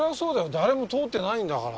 誰も通ってないんだから。